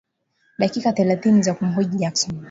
dakika thelathini za kumhoji Jackson